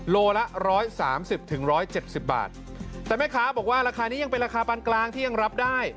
โลละ๑๓๐๑๗๐บาทแต่แม่ค้าบอกว่าราคานี้ยังเป็นราคาปานกลางที่ยังรับได้